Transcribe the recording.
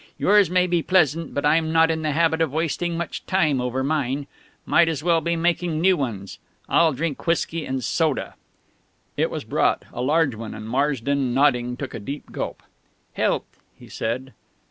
Yours may be pleasant, but I'm not in the habit of wasting much time over mine. Might as well be making new ones ... I'll drink whiskey and soda." It was brought, a large one; and Marsden, nodding, took a deep gulp. "Health," he said.